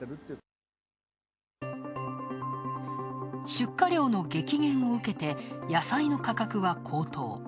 出荷量の激減を受けて、野菜の価格は高騰。